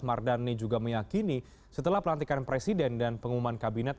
mardani juga meyakini setelah pelantikan presiden dan pengumuman kabinet